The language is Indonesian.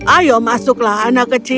ayo masuklah anak kecil